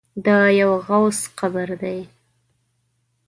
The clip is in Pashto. د یوه غوث قبر دی.